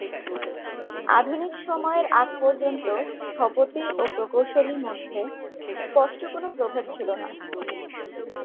আধুনিক সময়ের আগ পর্যন্ত স্থপতি ও প্রকৌশলী মধ্যে স্পষ্ট কোন প্রভেদ ছিলনা।